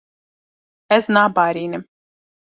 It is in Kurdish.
Ez nabarînim.